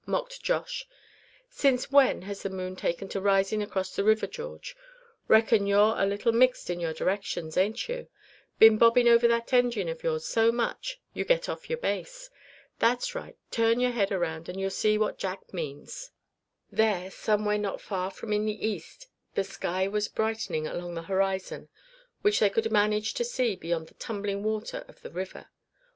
mocked Josh. "Since when has the moon taken to risin' across the river, George? Reckon you're a little mixed in your directions, ain't you? Been bobbing over that engine of yours so much you get off your base. That's right, turn your head around, and you'll see what Jack means." There, somewhere not far from in the east the sky was brightening along the horizon which they could manage to see beyond the tumbling water of the river.